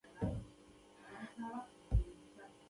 له وظیفوي صلاحیتونو څخه د سوء استفادې پر مهال.